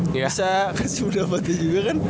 bisa sudah banget juga kan